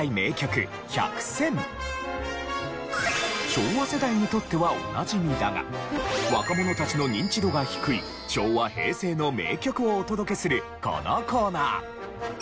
昭和世代にとってはおなじみだが若者たちのニンチドが低い昭和平成の名曲をお届けするこのコーナー。